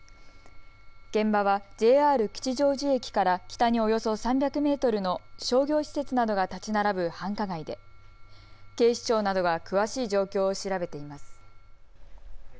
現場はＪＲ吉祥寺駅から北におよそ３００メートルの商業施設などが建ち並ぶ繁華街で警視庁などは詳しい状況を調べています。